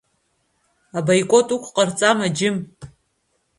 Абаикот уқәҟарҵама, џьым?